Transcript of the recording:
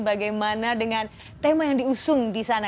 bagaimana dengan tema yang diusung di sana